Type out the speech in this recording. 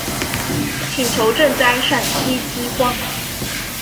请求赈灾陕西饥荒。